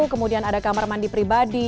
kemudian ada kamar mandi pribadi